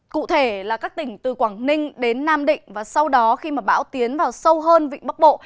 cụ thể là các tỉnh từ quảng ninh đến nam định và sau đó khi mà bão tiến vào sâu hơn vịnh bắc bộ